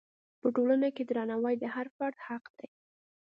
په ټولنه کې درناوی د هر فرد حق دی.